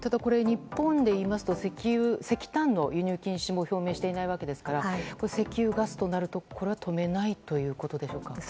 日本でいいますと石炭の輸入禁止も表明していないわけですから石油・ガスとなるとこれは止めないということでしょうか。